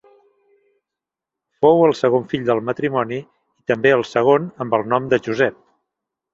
Fou el segon fill del matrimoni i també el segon amb el nom de Josep.